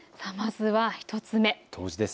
まずは１つ目。